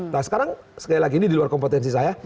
nah sekarang sekali lagi ini di luar kompetensi saya